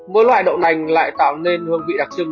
mỗi loại đậu nành lại tạo nên hương vị đặc trưng